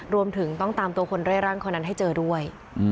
รวมถึงต้องตามตัวคนเร่ร่อนคนนั้นให้เจอด้วย